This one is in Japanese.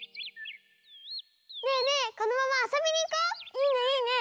いいねいいね！